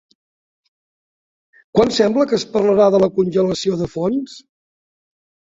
Quan sembla que es parlarà de la congelació de fons?